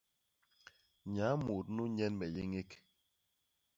Nyaa mut nu nyen me yéñék.